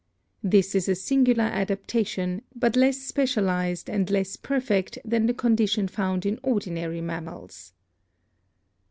This is a singular adaptation, but less special ized and less perfect than the condition found in ordinary mammals.